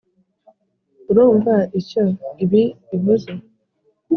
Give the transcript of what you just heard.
urumva icyo ibi bivuze?